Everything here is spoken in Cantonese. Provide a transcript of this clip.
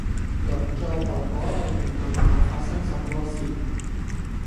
鄰座婆婆突然問我發生什麼事